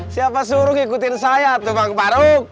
siapa suruh ikutin saya tuh bang farung